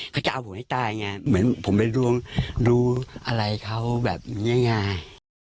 เขาจะเอาผมให้ตายไงเหมือนผมไปลวงดูอะไรเขาแบบง่าย